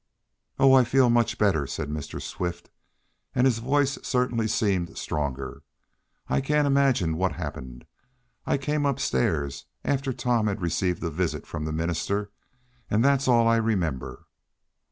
"Oh, I feel much better," said Mr. Swift, and his voice certainly seemed stronger. "I can't imagine what happened. I came upstairs, after Tom had received a visit from the minister, and that's all I remember."